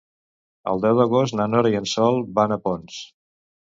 El deu d'agost na Nora i en Sol van a Ponts.